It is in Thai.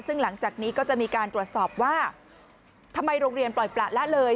ซึ่งหลังจากนี้ก็จะมีการตรวจสอบว่าทำไมโรงเรียนปล่อยประละเลย